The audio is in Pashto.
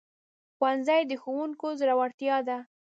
ښوونځی د ښوونکو زړورتیا ده